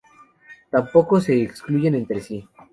Tampoco se excluyen entre sí.